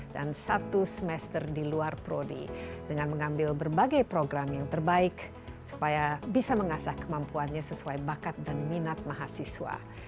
dan satu semester di luar prodi dengan mengambil berbagai program yang terbaik supaya bisa mengasah kemampuannya sesuai bakat dan minat mahasiswa